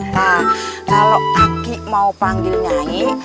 nah kalau aku mau panggil nyai